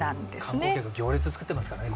観光客、行列作っていますからね。